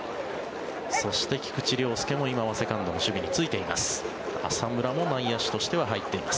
そして、菊池涼介も今はセカンドの守備に就いています。